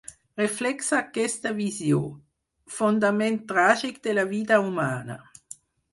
Reflexa aquesta visió, fondament tràgic de la vida humana